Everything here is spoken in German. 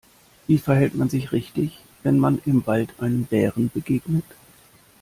Wie verhält man sich richtig, wenn man im Wald einem Bären begegnet?